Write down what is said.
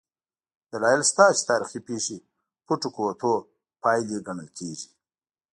دلایل شته چې تاریخي پېښې پټو قوتونو پایلې ګڼل کېږي.